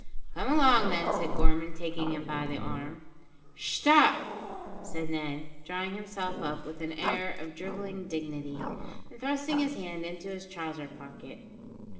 "Come along, then," said Gorman, taking him by the arm. "Shtop!" said Ned, drawing himself up with an air of drivelling dignity, and thrusting his hand into his trouser pocket.